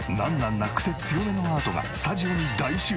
なクセ強めのアートがスタジオに大集結！